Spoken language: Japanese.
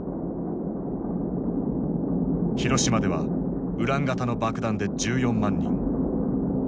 広島ではウラン型の爆弾で１４万人。